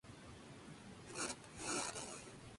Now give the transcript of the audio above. En esta fase, un último desafío era presentado.